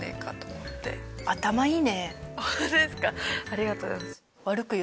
ありがとうございます。